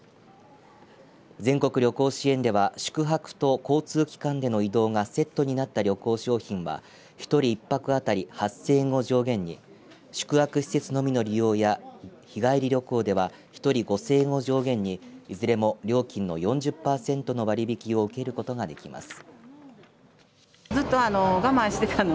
全国旅行支援では宿泊と交通機関での移動がセットになった旅行商品は１人１泊当たり８０００円を上限に宿泊施設のみの利用や日帰り旅行では１人５０００円を上限にいずれも料金の４０パーセントの割引を受けることができます。